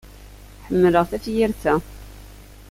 Ḥemmleɣ tafyirt-a.